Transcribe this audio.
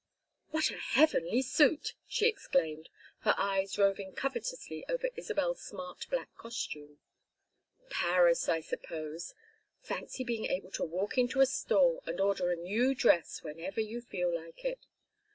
"What a heavenly suit!" she exclaimed, her eyes roving covetously over Isabel's smart black costume. "Paris, I suppose. Fancy being able to walk into a store and order a new dress whenever you feel like it.